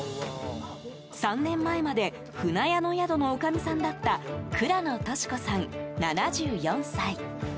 ３年前まで舟屋の宿のおかみさんだった倉野寿子さん、７４歳。